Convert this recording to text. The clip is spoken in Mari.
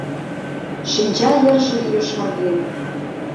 Шинча йырже йошкарген.